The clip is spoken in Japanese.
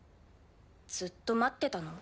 ずっと待ってたの？